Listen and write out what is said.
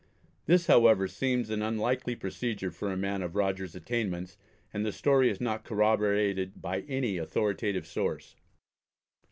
This, however, seems an unlikely procedure for a man of Rogers's attainments, and the story is not corroborated by any authoritative source.